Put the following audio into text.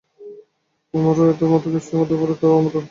আমরাও তাঁর মত খ্রীষ্ট হতে পারি, আর আমাদের তা হতেই হবে।